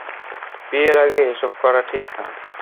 বিয়ের আগে এসব করা ঠিক না।